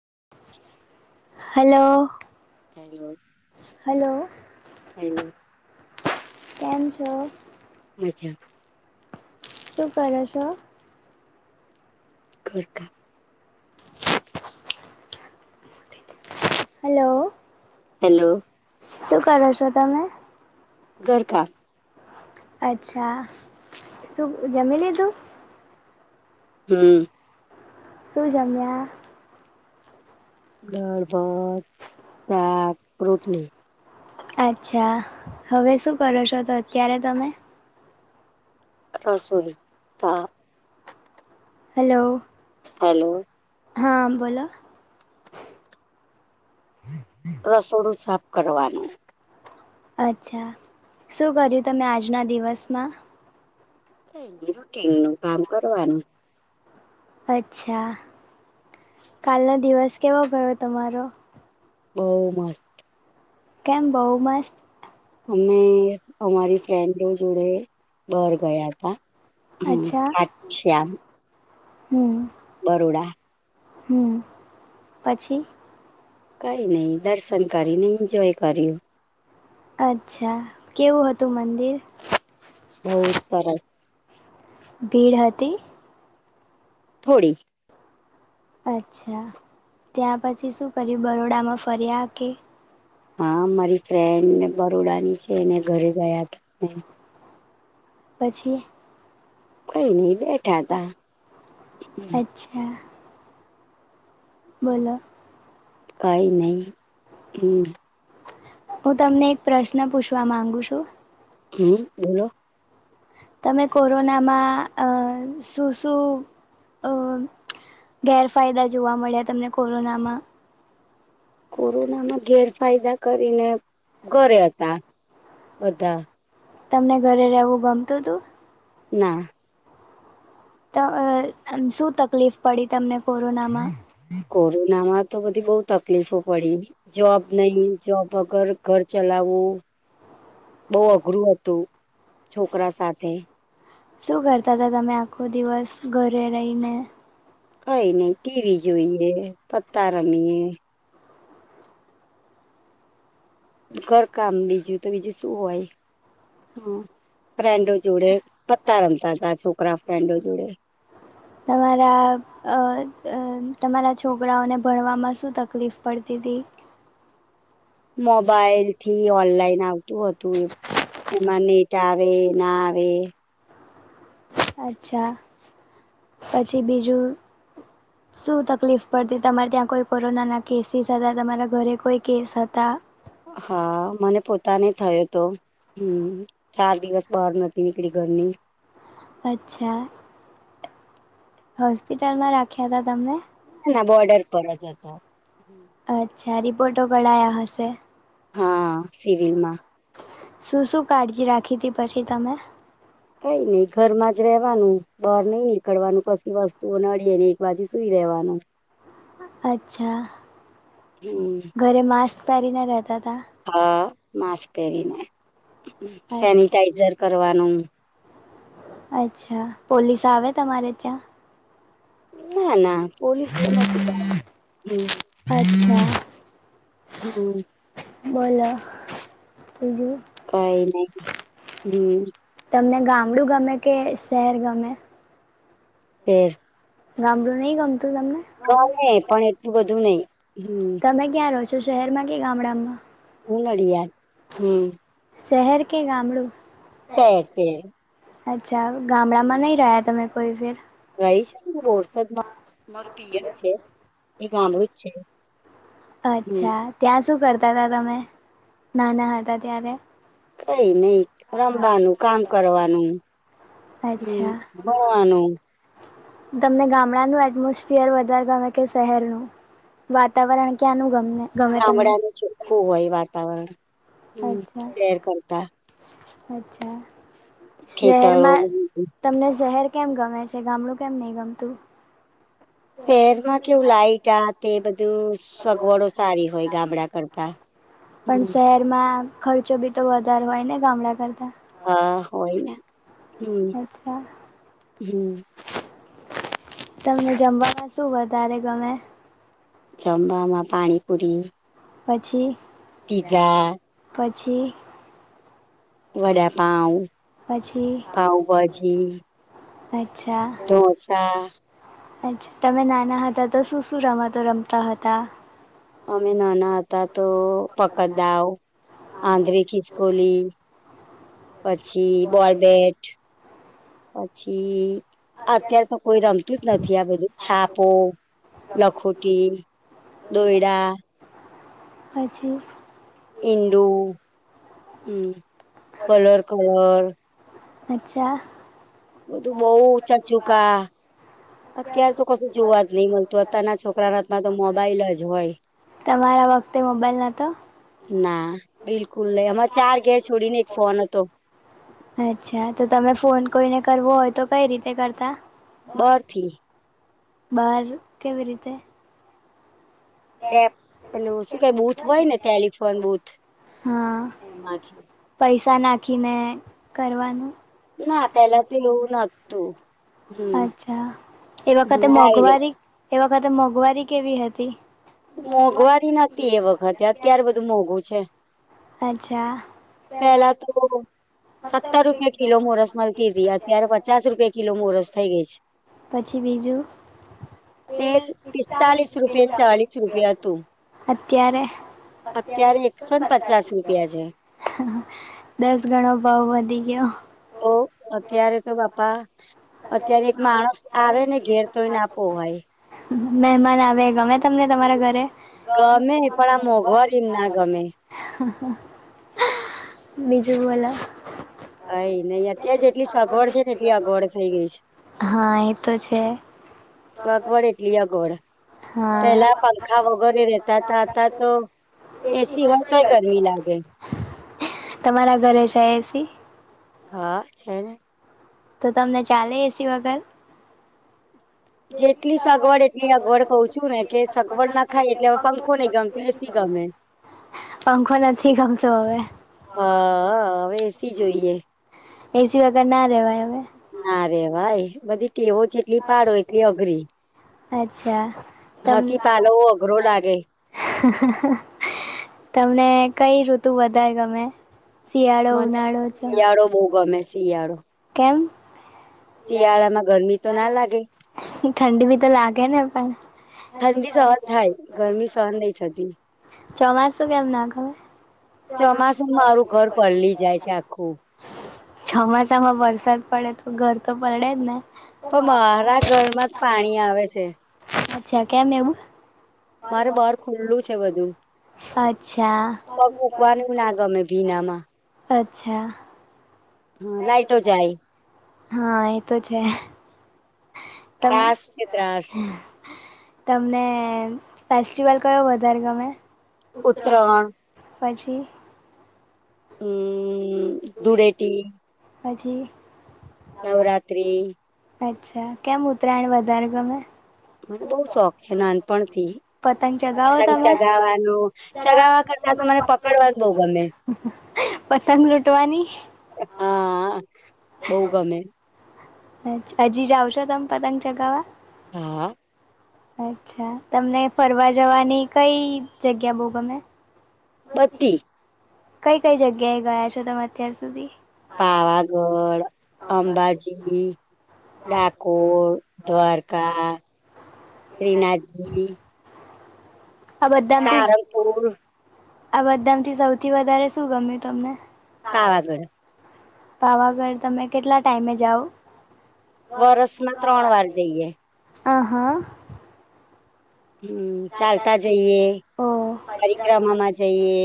[inaudible] હાલો hello hello hello કેમ છો? [unintelligible] શું કરો છો? કોઈકા હેલો, હેલો શું કરો છો તમે? ધરકા અચ્છા. શું જમી લીધું? [unintelligible] શુ જમીયા? દાળભાત સાક રોટલી. અચ્છા હવે શું કરો છો તો અત્યારે તમે? રસોઈ તા. હાલો. હાલો. હા બોલો. રસોડું સાફ કરવાનું. અચ્છા શું કર્યું તમે આજના દિવસમાં? રૂટીન નું કામ કરવાનું. અચ્છા કાલનો દિવસ કેવો ગયો તમારો? બોવ મસ્ત. કેમ બોવ મસ્ત? અમે અમારી ફ્રેન્ડો જોડે બાર ગયા હતા. હમ્મ. [unintelligible] હમ્મ બરોડા હમ પછી કઈ ની દર્શન કરી ની એન્જોય કર્યું. અચ્છા કેવું હતું મંદિર? બોવ સરસ. ભીડ હતી? થોડી. અચ્છા ત્યાં પછી શું કર્યું બરોડામાં ફર્યા કે?? હા મારી ફ્રેન્ડ ને બરોડાની છે એને ઘરે ગયા હતા. પછી? કોઈ નઈ બેઠા તા. અચ્છા. બોલો. કઈ નહી હમ્મ. હું તમને એક પ્રશ્ન પૂછવા માંગુ છું? હ બોલો. તમે કોરોનામાં અ શું શું અ ગેરફાયદા જોવા મળ્યા તમને કોરોનામાં? કોરોનામાં ગેરફાયદા કરીને ઘરે હતા. હોતા. તમને ઘરે રહેવું ગમતું તું? ના. તો શું તકલીફ પડી તમને કોરોના માં? કોરોનામાં તો બધી બહ તકલીફો પડી જોબ નહી જોબ વગર ઘર ચલાવ બહ અઘરું હતું છોકરા સાથે. શું કરતા હતા તમે આખો દિવસ ઘરે રહીને? કઈ નઈ ટીવી જોઈએ પત્તા રમીએ ઘરકામ બીજું તો બીજું શું હોય. હ ફ્રેન્ડો જોડે પતા રમતા હતા છોકરા ફ્રેન્ડો જોડે. તમારા અ તમારા છોકરાઓને ભણવામાં શું તકલીફ પડતી તી? મોબાઈલ થી ઓનલાઈન આવતું હતું એ એમાં આવે ના આવે. અચ્છા પછી બીજું શું તકલીફ પડતી તમારે ત્યાં કોઈ કોરોનાના કેસીસ હતા તમારા ઘરે કોઈ કેસ હતા? હા મને પોતાને થયો હતો હમ ચાર દિવસ બહાર નથી નીકળી. ઘરની અચ્છા. હોસ્પિટલમાં રાખ્યા ત તમને ના ના બોર્ડર પરસ જ અચ્છા રિપોર્ટો કરાયા હશે. હા સિવિલમાં. શું શું કાળજી રાખી હતીી પછી તમે કઈ નઈ ઘર માં જ રવાનું બહાર નઈ નીકળવાનું કશી વસ્તુઓ નડીે બાજી સુઈ રેવાનું અચ્છા હમ પરી ના રહેતા ત હા માસ્ક પહેરીને અચ્છા સેનિટાઈઝર કરવાનું અચ્છા પોલીસ આવે તમારે ત્યાં ના ના પોલીસ તો નથી. અચ્છા હમ. બોલો. બીજું કઈ નહી હમ. તમને ગામડું ગમે કે શહેર ગમે ફેર [unintelligible] ગમડું નહી ગમતો ગમે પણ એટલું બધું નહીિ. તમે ક્યાં રહો છો શહેરમાં કે ગામડામાં ઉનડીિયા હમ શહેર કે ગામડું. સ સ [unintelligible] અચ્છા ગામડામાં નં રહ્યા તમે કોઈ ફર રહી છે બોરસદમાં મારું પિયર છે એ મામડુંત છે. અચ્છા ત્યાં શું કરતા હતાા તમે નાના હતા ત્યારે કઈ નઈ રમવાનું કામ કરવાનું. હમ, અચ્છા ભણવાનું.. તમને ગામડાનું એટમોસફિયર વધારે ગમે કે શહેરનું? વાતાવરણ ક્યાંનું ગમે? તમને ગામડાનું ચોખ્ખું હોય વાતાવરણ, હં અચ્છા શેર કરતા. અચ્છા, ખેતરો શહેરમાં તમને શહેર. કેમ ગમે છે? ગામડું કેમ નહિં ગમતું? શહેરમાં કેવું, લાઈટ આ તે બધું સગવડો સારી હોય ગામડા કરતા. પણ હમ શહેરમાં ખર્ચો બી તો વધારે હોય ને, ગામડા કરતા? હા હોયને! હમ અચ્છા હમ. તમને જમવામાં શું વધારે ગમે? જમવામાં પાણીપુરી. પછી? પીઝા. પછી? વડાપાંઉ, પછી પાંઉભાજી. અચ્છા ઢોંસા. અચ્છા, તમે નાના હતા તો શું શું રમતો રમતા હતા? અમે નાના હતા તો પકડદાવ આંધરી ખિસ્કોલી પછી, બૉલબૅટ પછી અત્યાર તો કોઈ રમતું જ નથી આ બધું. છાપો, લખોટી. દોઈડા પછી? ઇન્ડુ હં, કલર કવર. અચ્છા! બધું બઉ ઉચા ચુકા અત્યાર તો કશું જોવા જ નહી મલતું, અત્તારના છોકરાના હાથમાં તો મોબાઈલ જ હોય. તમારા વખતે મોબાઈલ નતો? ના બિલકુલ નઈ. અમાર ચાર ઘેર છોડીને એક ફોન હતો. અચ્છા તો તમે ફોન કોઈને કરવું હોય તો કઈ રીતે કરતા? બારથી. બહાર, કેવી રીતે? ટે, પેલું શું કેવાય બૂથ હોય ને, ટેલિફોન બૂથ હા, પૈસા નાખીને કરવાનું. ના પેલાથી લવું નતું. હમ અચ્છા, એ હમ વખતે ડાયરેક્ટ મોંઘવારી, એ વખતે મોંઘવારી કેવી હતી? મોંઘવારી નતી એ વખતે, અત્યારે બધું મોંઘું છે. અચ્છા. પેલા તો સત્તર રૂપિયે કિલો મોરસ મલતી તી. અત્યારે પચાસ રૂપિયે કિલો મોરસ થઇ ગઈ છે. પછી બીજું? તેલ પિસ્તાલીસ રૂપિયે ચાલીસ રૂપિયે હતું. અત્યારે? અત્યારે એકસો ન પચાસ રૂપિયા છે. દસ ગણો ભાવ વધી ગ્યો. ઓ, અત્યારે તો બાપા અત્યારે એક માણસ આવે ને ઘેર, તોય ના પોહાય. મહેમાન આવે, ગમે તમને, તમારા ઘરે? ગમે, પણ આ મોંઘવારી જ ના ગમે. બીજું, બોલો. હય નહ અત્યારે જેટલી સગવડ છે ને એટલી અગોડ છે [unintelligible] હા એ તો છે તો અગવડ એટલી અગવડ હા પેલા પંખા વગેરે રહેેતા ત હતા તો એસી હોય તોય ગરમી લાગે. તમારા ઘરે છે એસી. હા છે ને. તો તમને ચાલે એસી વગર. જેટલી સગવડ એટલી સગવડ કઉ છું ને કે સગવડ ના ખાય એટલે હવે પંખો નઈ ગમેત એસી હ. ગમે. [unintelligible] પંખો નથી ગમતો હવે. હા હવે એસી જોઈએ. એસી વગર ના રહેેવાય હવે તેવો જેટલી પાડો એટલી અઘરી અચ્છા. તને હાથી પાલવો અઘરો લાગે તમને કઈ ઋતુ વધારે ગમે. શિયાળો મને ઉનાળો શિયાળો બહ ગમે શિયાળો એમ. શિયાળામાં ગરમી તો ના લાગે. ઠંડી ભી તો લાગે ને પણ ઠંડી સહન થાય ગરમી સહન નઈ છતી. ચોમાસું કેમ નાખવે [unintelligible] ચોમાસું મારું ઘર પલી જાય છે આખું ચોમાસા માં વરસાદ પડે, તો ઘર તો પડે જ ને. પણ મારા ઘરમાં જ પાણી આવે છે. અચ્છા કેમ એવું? મારે બહાર ખુલ્લું છે બધું અચ્છા. નામાં અચ્છા. હમ્મ લાઈટો જાય હા એતો છે. તમ ત્રાસ છે, ત્રાસ તમને ફેસ્ટિવલ કયો વધારે ગમે? ઉત્તરહણ પછી. હમ્મ ધૂળેટી. હજી. નવરાત્રિ અચ્છા કેમ ઉતરાયણ વધારે ગમે? મને બઉશોખ છે. નાનપણ થી. પતંગ ચગાવો પતંગ તમે ચગાવાનું, ચગાવવા કરતા તો મને પકડવાનું બહ ગમે. પતંગ લૂટવાની? બઉ ગમે હજી હજી જઓ છો, તમે પતંગ ચગાવવા? હા. અચ્છા તમને ફરવા જવાની કઈ જગ્યા બહુ ગમે? બધી. કઈ કઈ જગ્યાએ ગયા છો? તમે અત્યાર સુધી? પાવાગઢ, અંબાજી ડાકોર, દ્વારકા, શ્રીનાથજી આ બધામાંથી સારનપુર. આ બધા માથી સૌથી વધારે શું ગમ્યું તમને? પાવાગઢ. પાવાગઢ તમે કેટલા ટાઈમે જાઓ? વર્ષમાં ત્રણ વાર જઈએ. આ હા. હમ્મ, ચાલતા જઈએ. ઓ પરિક્રમામાં જઈએ.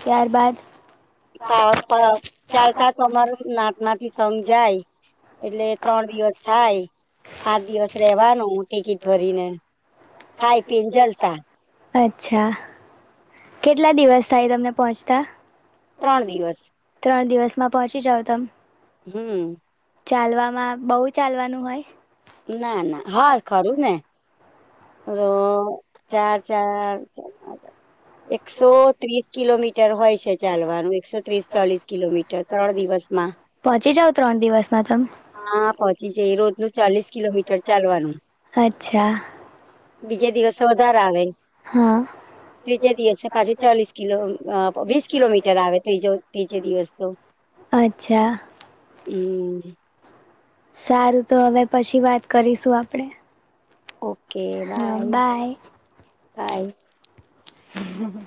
ત્યારબાદ? [unintelligible] ચાલતા તમાર નાત માથી સંઘ જાય? એટલે ત્રણ દિવસ થાય. પાંચ દિવસ રેવાનું ટિકિટ ભરીને. ખાઈ-પીને જલસા. અચ્છા, કેટલા દિવસ થાય તમને પહોંચતા? ત્રણ દિવસ. ત્રણ દિવસમાં પહોંચી જાવ તમ હમ્મ ચાલવામાં, બહુ ચાલવાનું હોય? ના, ના, હા, ખરું ને? રો ચાર ચાર ચ એકસો ત્રીસ કિલોમીટર હોય છે ચાલવાનું, એકસો ત્રીસ- ચાલીસ કિલોમીટર, ત્રણ દિવસ બસ માં પહોંચી જાવ ત્રણ દિવસમાં તમે હા, પહોંચી જાય. એ રોજ નું ચાલીસ કિલોમીટર ચાલવાનું. અચ્છા. બીજા દિવસ વધારે આવે. હા ત્રીજા દિવસે પાછી ચાલીસ કિલો, વીસ કિલોમીટર આવે તો જો. દિવસ તો અચ્છા. હમ. સારું, તો હવે પછી વાત કરીશું આપડે. Okay, bye-bye. હમ